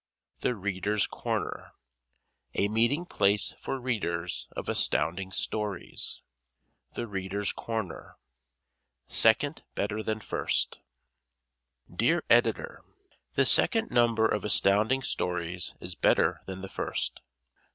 The Readers' Corner A Meeting Place for Readers of Astounding Stories "Second Better Than First" Dear Editor: The second number of Astounding Stories is better than the first.